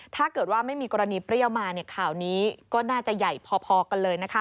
ถ้าเกิดว่าไม่มีกรณีเปรี้ยวมาข่าวนี้ก็น่าจะใหญ่พอกันเลย